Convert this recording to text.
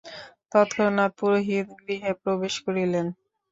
তৎক্ষণাৎ পুরোহিত গৃহে প্রবেশ করিলেন।